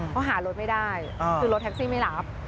เขาหารถไม่ได้คือรถแท็กซี่ไม่รับ